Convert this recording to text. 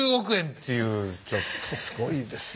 っていうちょっとすごいですね。